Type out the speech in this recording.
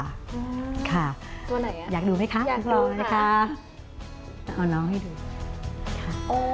ตัวไหนน่ะอยากดูไหมคะขอร้องเลยค่ะเอาน้องให้ดู